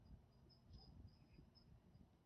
أأسبلت دمع العين بالعبرات